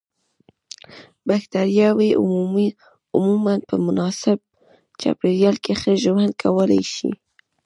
بکټریاوې عموماً په مناسب چاپیریال کې ښه ژوند کولای شي.